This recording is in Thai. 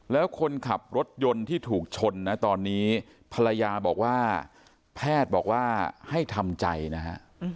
แล้วคนขับรถยนต์ที่ถูกชนนะตอนนี้ภรรยาบอกว่าแพทย์บอกว่าให้ทำใจนะฮะ